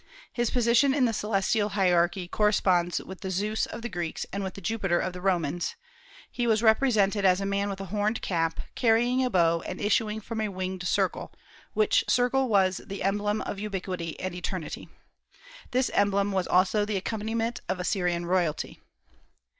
His position in the celestial hierarchy corresponds with the Zeus of the Greeks, and with the Jupiter of the Romans. He was represented as a man with a horned cap, carrying a bow and issuing from a winged circle, which circle was the emblem of ubiquity and eternity. This emblem was also the accompaniment of Assyrian royalty.